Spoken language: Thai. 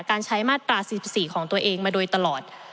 การใช้มาตรา๔๔ของตัวเองมาโดยตลอด